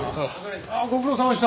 ああご苦労さまでした。